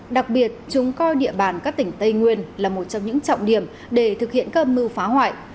đặc biệt chúng coi địa bàn các tỉnh tây nguyên là một trong những trọng điểm để thực hiện cơm mưu phá hoại